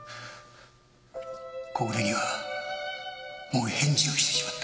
木暮にはもう返事をしてしまった。